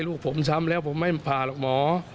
ลูกผมช้ำแล้วผมไม่ผ่าหรอกหมอ